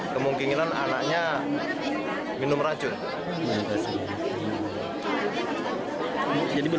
kemungkinan anaknya minum racun